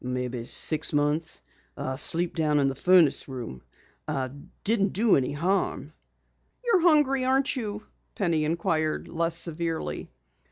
"Maybe six months. I sleep down in the furnace room. I didn't do any harm." "You're hungry, aren't you?" Penny inquired, less severely.